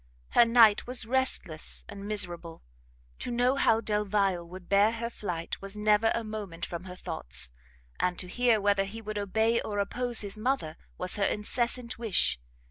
Her night was restless and miserable: to know how Delvile would bear her flight was never a moment from her thoughts, and to hear whether he would obey or oppose his mother was her incessant wish.